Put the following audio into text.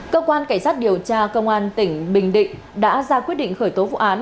cơ quan cảnh sát điều tra công an tỉnh bình định đã ra quyết định khởi tố vụ án